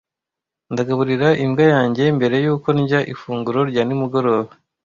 Ndagaburira imbwa yanjye mbere yuko ndya ifunguro rya nimugoroba.